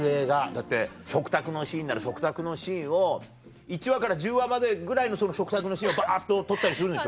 だって食卓のシーンなら食卓のシーンを１話から１０話までぐらいの食卓のシーンをばっと撮ったりするんでしょ？